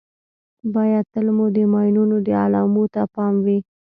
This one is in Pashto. باید تل مو د ماینونو د علامو ته پام وي.